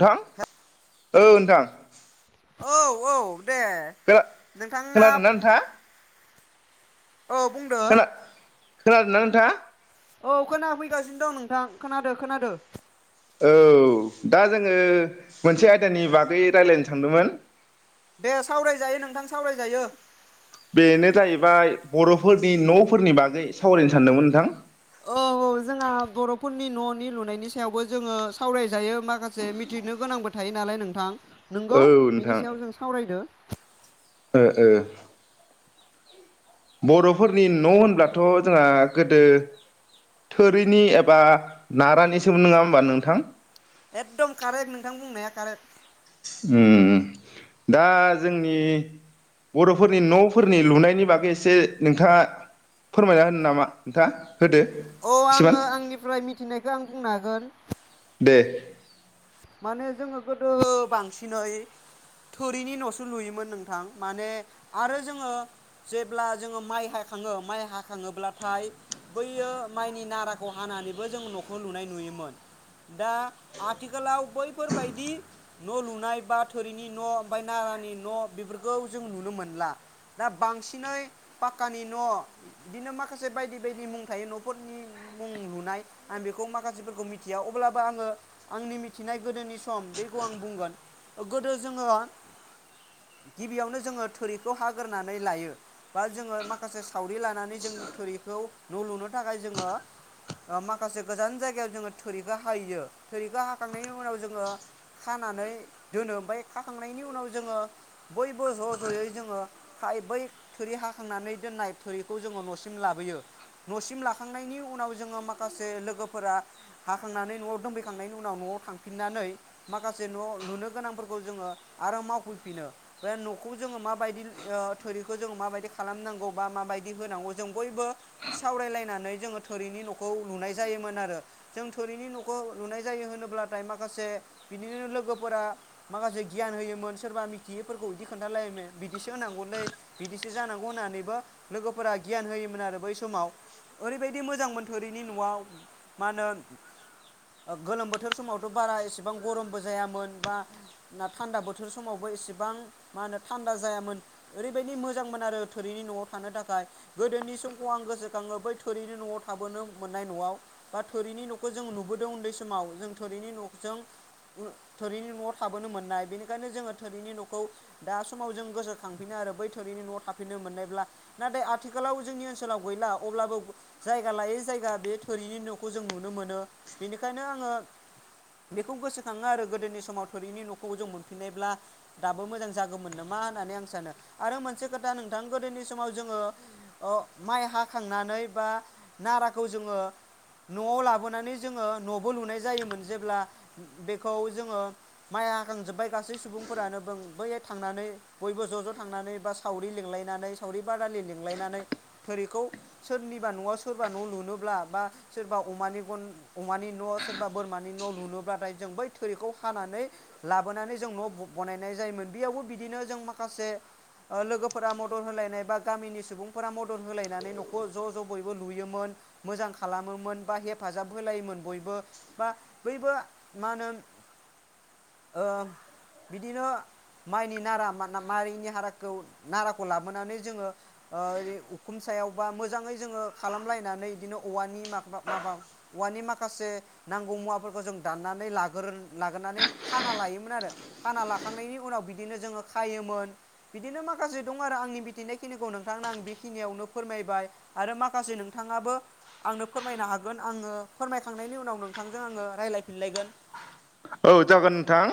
थां। औ नोंथां। औ औ। दे खोना नोंथाङा खोनादोंना नोंथाङा औ बुंदो। खोना खोनादोंना नोंथाङा? औ खोनाफैगासिनो दं नोंथां खोनादो खोनादो। औ दा जोङो मोनसे आयदानि बागै रायलायनो सानदोंमोन। दे सावरायजायो नोंथां सावरायजायो। बाय बर'फोरनि न'फोरनि बागै सावरायनो सानदोंमोन नोंथां। औ औ जोंहा बर'फोरनि न'नि लुनायनि सायावबो जोङो सावरायजायो माखासे मिथिनो गोनांबो थायो नालाय नोंथां। औ नंगौ नोंथां बिनि सायाव जों सावरायदो। ओ ओ। बर'फोरनि न' होनब्लाथ' जोंहा गोदो थोरिनि एबा नारानिसोमोन नङा होमबा नोंथां? एकदम कारेक नोंथां बुंनाया कारेक। उम दा जोंनि बर'फोरनि न'फोरनि लुनायनि बागै एसे नोंथाङा फोरमायना होनो नामा नोंथां? औ आङो आंनिफ्राय मिथिनायखौ आं बुंनो हागोन। [inaudible] माने जोङो गोदो बांसिनै थोरिनि न'सो लुयोमोन नोंथां माने आरो जोङो जेब्ला जोङो माइ हाखाङो माइ हाखाङोब्लाथाय बैयो माइनि नाराखौ हानानैबो जों न'खौ लुनाय नुयोमोन दा आथिख खालाव बैफोरबायदि न' लुनाय बा थोरिनि न' ओमफ्राय नारानि न' बेफोरखौ जों नुनो मोनला। दा बांसिनै पाक्कानि न' बिदिनो माखासे बायदि बायदि मुं थायो न'फोरनि मुं लुनाय आं बेखौ माखासेफोरखौ मिथिया अब्लाबो आङो आंनि मिथिनाय गोदोनि सम बेखौ आं बुंगोन। गोदो जोङो गिबियावनो जोङो थोरिखौ हाग्रोनानै लायो बा जोङो माखासे सावरि लानानै जों थोरिखौ न' लुनो थाखाय जोङो ओ माखासे गोजान जायगायाव जोङो थोरिखौ हाहैयो। थोरिखौ हाखांनायनि उनाव जोङो खानानै दोनो ओमफ्राय खाखांनायनि उनाव जोङो बयबो ज' ज'यै जोङो बै थोरि हाखांनानै दोननाय थोरिखौ जोङो न'सिम लाबोयो। न'सिम लाखांनायनि उनाव जोङो माखासे लोगोफोरा हाखांनानै न'आव दोनफै खांनायनि उनाव न'आव थांफिननानै माखासे न' लुनो गोनांफोरखौ जोङो आरो मावफैफिनो बे न'खौ जोङो माबायदि ओ थोरिखौ जोङो माबायदि खालामनांगौ बा माबायदि होनांगौ जों बयबो सावरायलायनानै जोङो थोरिनि न'खौ लुनाय जायोमोन आरो जों थोरिनि न'खौ लुनाय जायो होनोब्लाथाय माखासे बिदि लोगोफोरा माखासे गियान होयोमोन सोरबा मिथियैफोरखौ बिदि खोन्थालायोमोन बिदिसो होनांगौलै बिदिसो जानांगौ होननानैबो लोगोफोरा गियान होयोमोन आरो बै समाव ओरैबायदि मोजांमोन थोरिनि न'आव मा होनो ओ गोलोम बोथोर समावथ' बारा एसेबां गरमबो जायामोन बा ना थान्दा बोथोर समावबो एसेबां मा होनो थान्दा जायामोन ओरैबायदि मोजांमोन आरो थोरिनि न'आव थानो थाखाय गोदोनि समखौ आं गोसोखाङो बै थोरिनि न'आव थाबोनो मोननाय न'आव बा थोरिनि न'खौ जों नुबो दों उन्दै समाव जों थोरिनि न'जों थोरिनि न'आव थाबोनो मोननाय बेनिखायनो जोङो थोरिनि न'खौ दा समाव जों गोसोखांफिनो आरो बै थोरिनि न'आव थाफिननो मोननायब्ला नाथाय आथिखालाव जोंनि ओनसोलाव गैला अब्लाबो जायगा लायै जायगा बे थोरिनि न'खौ जों नुनो मोनो। बेनिखायनो आङो बेखौ गोसोखाङो आरो गोदोनि समाव थोरिनि न'खौ जों मोनफिननायब्ला दाबो मोजां जागौमोन नामा होननानै आं सानो। आरो मोनसे खोथा नोंथां गोदोनि समाव जोङो ओ माइ हाखांनानै बा नाराखौ जोङो न'आव लाबोनानै जोङो न'बो लुनाय जायोमोन जेब्ला बेखौ जोङो माइ हाखांजोब्बाय गासै सुबुंफोरानो बैहाय थांनानै बयबो ज' ज' थांनानै बा सावरि लिंलायनानै सावरि बादालि लिंलायनानै थोरिखौ सोरनिबा न'आव सोरबा न' लुनोब्ला बा सोरबा अमानि गन अमानि न सोरबा बोरमानि न लुनोब्लाथाय जों बै थोरिखौ हानानै लाबोनानै जों न बनायनाय जायोमोन बेयावबो बिदिनो जों माखासे लोगोफोरा मदद होलायनाय बा गामिनि सुबुंफोरा मदद होलायनानै नखौ ज ज बयबो लुयोमोन मोजां खालामोमोन बा हेफाजाब होलायोमोन बयबो बा बयबो मा होनो ओ बिदिनो माइनि नारा मनि हाराखौ नाराखौ लाबोनानै जोङो उखुम सायाव बा मोजाङै जोङो खालामलायनानै बिदिनो औवानि मा माबा। औवानि माखासे नांगौ मुवाफोरखौ जों दाननानै लागोर लाग्रोनानै खाना लायोमोन आरो खाना लाखांनायनि उनाव बिदिनो जोङो खायोमोन बिदिनो माखासे दं आरो आंनि मिथिनायखिनिखौ नोंथांनो आं बेखिनियावनो फोरमायबाय आरो माखासे नोंथाङाबो आंनो फोरमायनो हागोन आङो। फोरमायखांनायनि उनाव नोंथांजों आङो रायलायफिनलायगोन औ जागोन नोंथां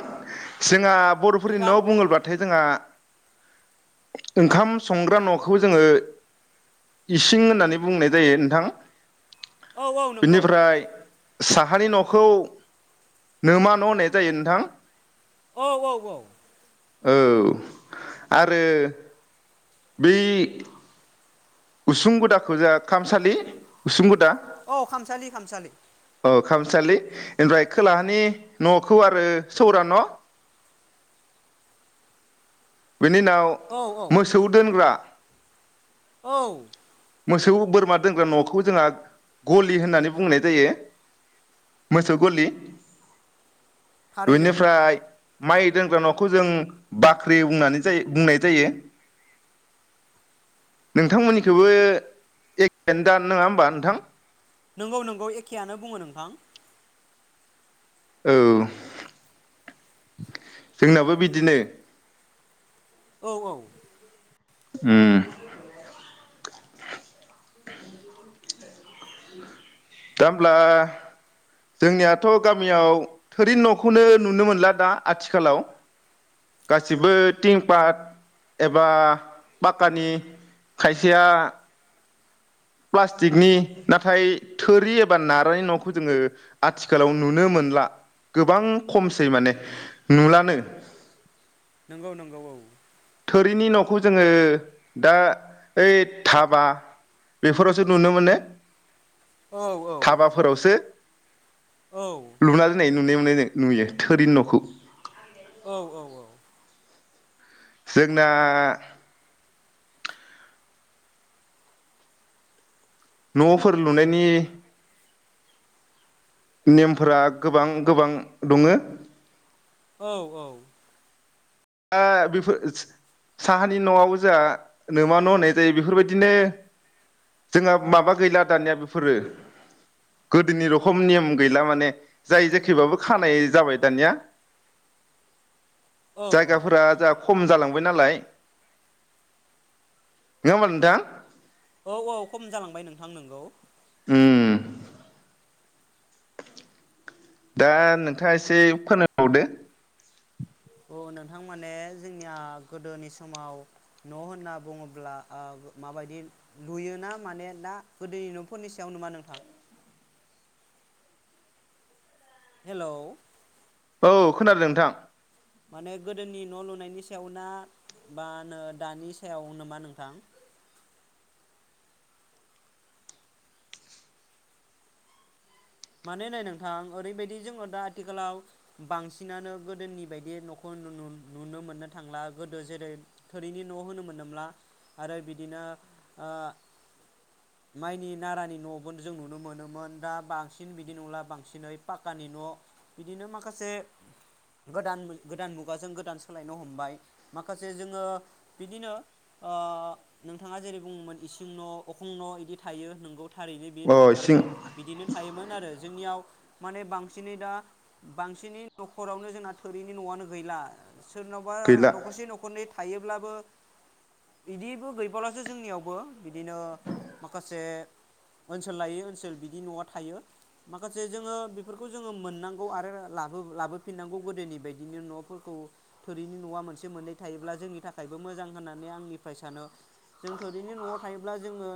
सिंहा बरफोरनि नोंथां नआव बुङोब्लाथाय जोंहा ओंखाम संग्रा नखौ जोङो इसिं होननानै बुंनाय जायो नोंथां औ औ नंगौ बिनिफ्राय साहानि नखौ नमा न होननाय जायो नोंथां औ औ औ औ आरो बि उसुं गुदाखौ जोंहा खामसालि उसुं गुदा औ खामसालि खामसालि औ खामसालि ओमफ्राय खोलाहानि नखौ आरो सौरा न बिनि उनाव औ औ मोसौ दोनग्रा औ मोसौ बोरमा दोनग्रा नखौ जोंहा गलि होननानै बुंनाय जायो मोसौ गलि थारैनो बिनिफ्राय माइ दोनग्रा नखौ जों बाख्रि बुंनाय जायो नोंथांमोननिखौबो एखनो दान नङा होमबा नोंथां नंगौ नंगौ एखेयानो बुङो नोंथां औ जोंनाबो बिदिनो औ औ उम दा होमब्ला जोंनियाथ गामियाव थोरि नखौनो नुनो मोनला दा आथिखालाव गासिबो थिं पात एबा पाक्कानि खायसेया प्लास्टिकनि नाथाय थोरि एबा नारानि नखौ जोङो आथिखालाव नुनो मोनला गोबां खमसै माने नुलानो नोंगौ नोंगौ औ थोरिनि नखौ जोङो दा ओइ धाबा बेफोरावसो नुनो मोनो औ औ धाबाफोरावसो औ लुना दोननाय नुनो नुयो नुयो थोरिन नखौ औ औ औ जोंना नफोर लुनायनि नेमफोरा गोबां गोबां दङो औ औ दा बेफोर साहानि नआव जोंहा नोमा न होननाय जायो बेफोरबायदिनो जोंहा माबा गैला दानिया बेफोरो गोदोनि रखम नियम गैला माने जाय जेखैबाबो खानाय जाबाय दानिया औ जायगाफोरा जोंहा खम जालांबाय नालाय नङा होमब नोंथां औ औ खम जालांबाय नोंथां नोंगौ उम दा नोंथाङा एसे [unintelligible] औ नोंथां माने जोंनिया गोदोनि समाव न होनना बुङोब्ला ओ माबायदि लुयोना माने दा गोदोनि न'फोरनि सायाव नामा नोंथां हेलौ औ खोनादों नोंथां माने गोदोनि न लुनायनि सायाव ना बा नो दानि सायावनोमा नोंथां मानै नै नोंथां ओरैबायदि जोङो दा आथिखालाव बांसिनानो गोदोनि बायदि नखौ नु नुनो मोननो थांला गोदो जेरै थोरिनि न होनो मोनोमला आरो बिदिनो ओ माइनि नारानि नबो जों नुनो मोनोमोन दा बांसिन बांसिन बिदि नंला बांसिनै पाकानि न बिदिनो माखासे गोदान गोदान मुगाजों गोदान सोलायनो हमबाय माखासे जोङो बिदिनो ओ नोंथाङा जेरै बुङोमोन इसिं न' अखं न' इदि थायो नंगौ थारैनो बेयो अ इसिं नोंथारगौ बिदिनो मोन आरो जोंनियाव माने बांसिनै दा बांसिनै नखरावनो जोंना थोरिनि नआनो गैला सोरनावबा गैला नखरसे नखरनै थायोब्लाबो बिदिबो गैबावलासो जोंनियावबो बिदिनो माखासे ओनसोल लायै ओनसोल बिदि नआ थायो माखासे जोङो बेफोरखौ जोङो मोननांगौ आरो लाबोफिननांगौ गोदोनि बायदिनो नफोरखौ थोरिनि नआ मोनसे मोननै थायोब्ला जोंनि थाखायबो मोजां होननानै आंनिफ्राय सानो जों थोरिनि नआव थायोब्ला जोङो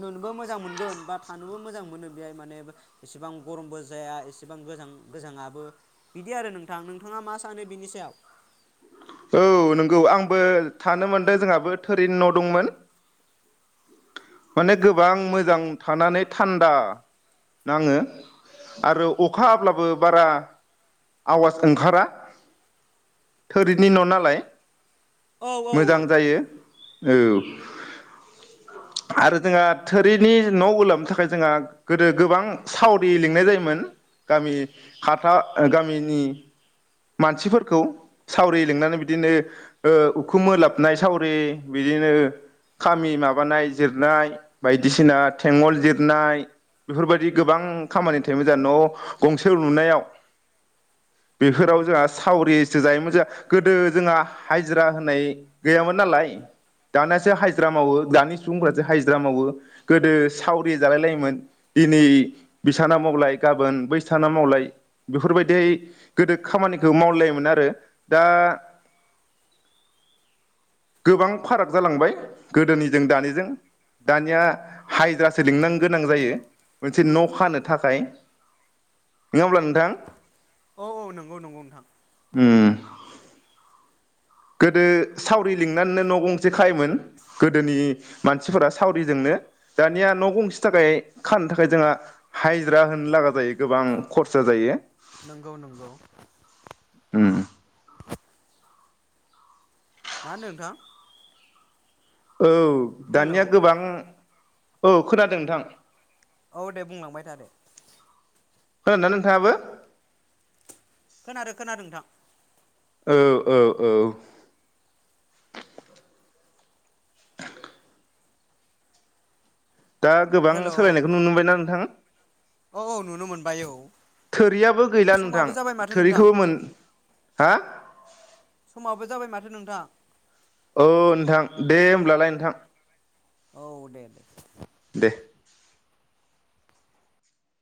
नुनोबो मोजां मोनगोन बा थानोबो मोजां मोनो बेहाय माने एसेबां गरमबो जाया एसेबां गोजां गोजाङाबो बिदि आरो नोंथां नोंथाङा मा सानो बिनि सायाव औ नोंगौ आंबो थानो मोनदों जोंहाबो थोरिनि न दंमोन माने गोबां मोजां थानानै थान्दा नाङो आरो अखा हाब्लाबो बारा आवाज ओंखारा थोरि नि न नालाय औ औ औ मोजां जायो औ आरो जोंहा थोरिनि न ओलाबनो थाखाय जोंहा गोदो गोबां सावरि लिंनाय जायोमोन गामि हाथा गामिनि मानसिफोरखौ सावरि लिंनानै बिदिनो ओ उखुुम ओलाबनाय सावरि बिदिनो खामि माबानाय जिरनाय बायदिसिना थेङल जिरनाय बेफोरबायदि गोबां खामानि थायोमोन जा न गंसे लुनायाव बेफोराव जोंहा सावरिसो जायोमोन जोआ गोदो जोङा हाजिरा होनाय गैयामोन नालाय दानियासो हाजिरा मावो दानि सुबुंफ्रासो हाजिरा मावो गोदो सावरि जालाय लायोमोन दिनै बिसाना मावलाय गाबोन बैसाना मावलाय बेफोरबायदिहाय गोदो खामानिखौ मावलायोमोन आरो दा गोबां फाराग जालांबाय गोदोनिजों दानिजों दानिया हायजिरासो लिंनो गोनां जायो मोनसे न खानो थाखाय नङा होनबा नोंथां औ औ नंगौ नंगौ नोंथां उम गोदो सावरि लिंनानैनो न गंसे खायोमोन गोदोनि मानसिफोरा सावरिजोंनो दानिया न गंसे थाखाय खानो थाखाय जोंहा हायजिरा होनो लागा जायो गोबां खरसा जायो नोंगौ नोंगौ ओम मा होनदों नोंथां औ हेलौ दानिया गोबां औ खोनादों नोंथां औ दे बुंलांबाय था दे खोनादोना नोंथाङाबो खोनादो खोनादो नोंथां औ औ औ दा गोबां हेलौ सोलायनायखौ नुनो मोनबायना नोंथां औ औ नुनो मोनबाय औ थोरियाबो गैला नोंथां समाबो जाबाय माथो नोंथां थोरिखौबो मोन हा समाबो जाबाय माथो नोंथां औ नोंथां दे होमब्लालाय नोंथां औ दे दे [inaudible]